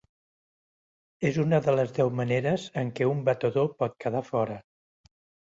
És una de les deu maneres en què un batedor pot quedar fora.